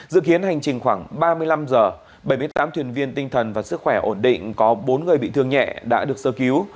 dự kiến hành trình khoảng ba mươi năm h bảy mươi tám thuyền viên tinh thần và sức khỏe ổn định có bốn người bị thương nhẹ đã được sơ cứu